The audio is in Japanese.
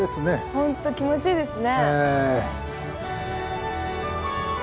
本当気持ちいいですね。